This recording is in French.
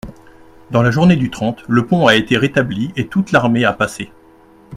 Dans la journée du trente, le pont a été rétabli et toute l'armée a passé.